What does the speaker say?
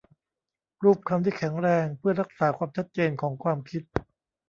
รูปคำที่แข็งแรงเพื่อรักษาความชัดเจนของความคิด